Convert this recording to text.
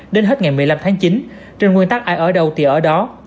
đến hết ngày một mươi năm tháng chín trên nguyên tắc ai ở đâu thì ở đó